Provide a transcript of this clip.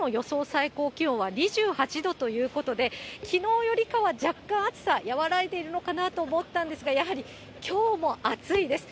最高気温は２８度ということで、きのうよりかは若干暑さ、和らいでいるのかなと思ったんですが、やはりきょうも暑いです。